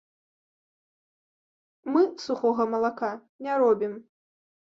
Мы сухога малака не робім.